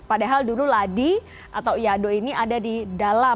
padahal dulu ladi atau iado ini ada di dalam